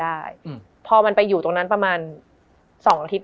มันทำให้ชีวิตผู้มันไปไม่รอด